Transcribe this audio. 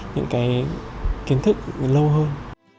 những cái kiến thức lâu hơn